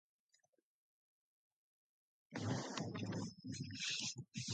He was an educator by profession.